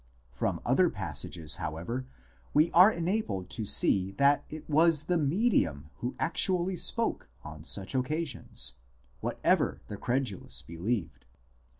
From other passages, however, we are enabled to see that it was the " medium " who actually spoke on such occasions, whatever the credulous believed.